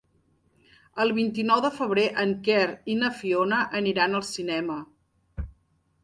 El vint-i-nou de febrer en Quer i na Fiona aniran al cinema.